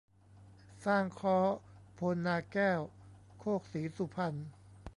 สร้างค้อ โพนนาแก้ว โคกศรีสุพรรณ